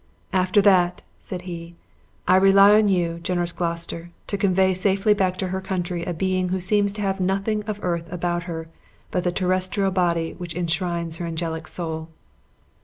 "After that," said he, "I rely on you, generous Gloucester, to convey safely back to her country a being who seems to have nothing of earth about her but the terrestrial body which enshrines her angelic soul!"